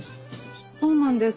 そうなんです